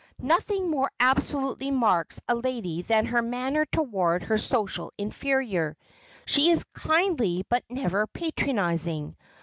Nothing more absolutely marks a lady than her manner toward her social inferior. She is kindly but never patronizing.